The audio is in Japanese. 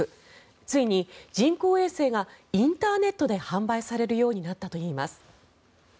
ついに人工衛星がインターネットで販売されるようになったといいます。